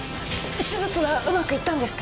手術はうまくいったんですか？